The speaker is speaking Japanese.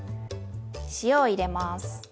塩を入れます。